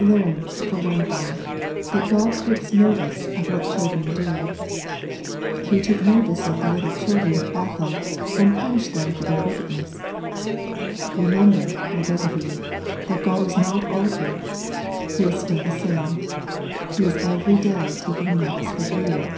(i) Learn, for one thvn^, \X\aX. God to>.ts lO SERMONS FOR CHILDREN. notice of what children do. He took notice of the "little children" at Bethel, and punished them for their wickedness. Remember, I beg of you, that God is not altered. He is still the same. He is every day taking notice of you.